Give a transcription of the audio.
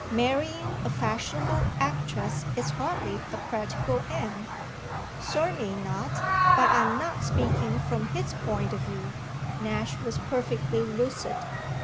"Marrying a fashionable actress is hardly a practical end." "Certainly not, but I'm not speaking from his point of view." Nash was perfectly lucid.